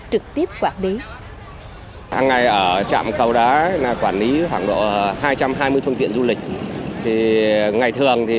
trực tiếp quản lý